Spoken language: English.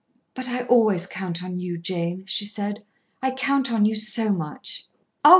"But I always count on you, Jane," she said. "I count on you so much." "Oh!